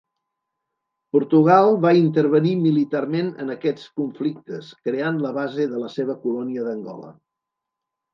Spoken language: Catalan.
Portugal va intervenir militarment en aquests conflictes, creant la base de la seva colònia d’Angola.